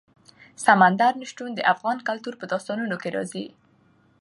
سمندر نه شتون د افغان کلتور په داستانونو کې راځي.